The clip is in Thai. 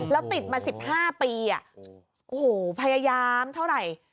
แล้วติดมา๑๕ปีโอ้โหพยายามเท่าไหร่